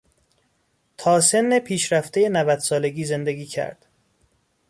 تا سن پیشرفتهی نودسالگی زندگی کرد.